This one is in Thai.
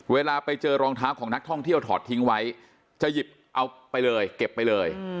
เวลาไปเจอรองเท้าของนักท่องเที่ยวถอดทิ้งไว้จะหยิบเอาไปเลยเก็บไปเลย